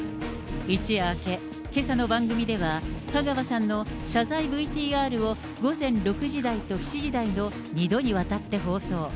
一夜明け、けさの番組では香川さんの謝罪ＶＴＲを午前６時台と７時台の２度にわたって放送。